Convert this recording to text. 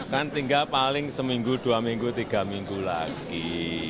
kan tinggal paling seminggu dua minggu tiga minggu lagi